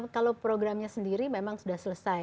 kalau programnya sendiri memang sudah selesai